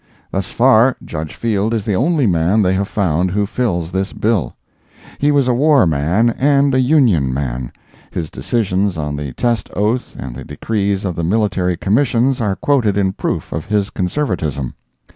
Thus far, Judge Field is the only man they have found who fills this bill. He was a war man and a Union man; his decisions on the test oath and the decrees of the military commissions are quoted in proof of his conservatism.